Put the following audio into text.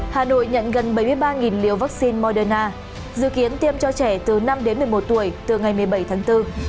hà nội nhận gần bảy mươi ba liều vaccine moderna dự kiến tiêm cho trẻ từ năm đến một mươi một tuổi từ ngày một mươi bảy tháng bốn